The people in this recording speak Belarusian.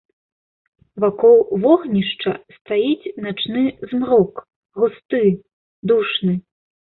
Вакол вогнішча стаіць начны змрок, густы, душны.